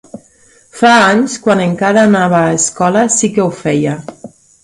Fa anys, quan encara anava a escola, sí que ho feia.